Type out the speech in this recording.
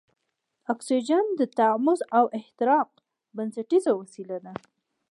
اکسیجن د تحمض او احتراق بنسټیزه وسیله ده.